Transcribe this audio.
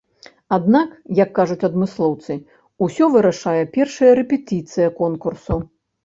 Аднак, як кажуць адмыслоўцы, усё вырашае першая рэпетыцыя конкурсу.